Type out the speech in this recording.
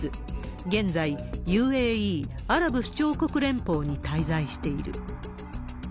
現在、ＵＡＥ・アラブ首長国連邦に滞在している。